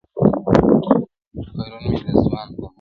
• پرون مي د خزان د موسم -